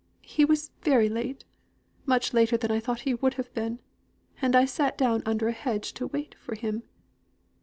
He was very late much later than I thought he would have been; and I sat down under the hedge to wait for him.